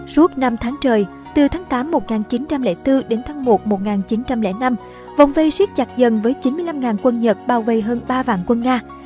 suốt năm tháng trời từ tháng tám một nghìn chín trăm linh bốn đến tháng một một nghìn chín trăm linh năm vòng vây siết chặt dần với chín mươi năm quân nhật bao vây hơn ba quân nga